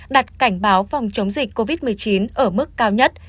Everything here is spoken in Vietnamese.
đặt cảnh báo phòng chống dịch covid một mươi chín ở mức cao nhất